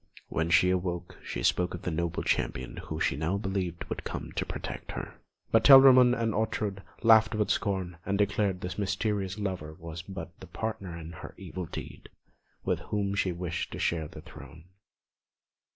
When she awoke, she spoke of the noble Champion whom she now believed would come to protect her; but Telramund and Ortrud laughed with scorn, and declared this mysterious lover was but the partner in her evil deed, with whom she wished to share the throne.